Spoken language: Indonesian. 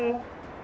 ada undangan lagi